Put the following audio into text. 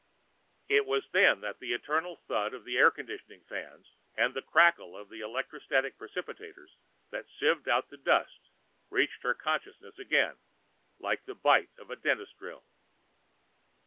It was then that the eternal thud of the air conditioning fans and the crackle of the electrostatic precipitators that sieved out the dust reached her consciousness again like the bite of a dentist's drill.